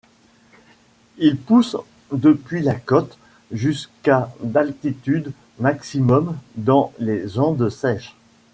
Il pousse depuis la côte jusqu'à d'altitude maximum, dans les Andes sèches.